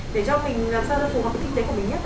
để cho mình làm sao cho phù hợp tinh tế của mình nhất